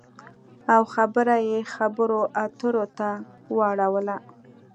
او خبره یې خبرو اترو ته واړوله